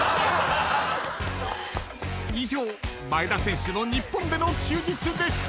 ［以上前田選手の日本での休日でした］